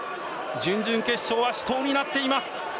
準々決勝は死闘になっています。